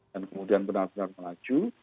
dan kemudian benar benar melaju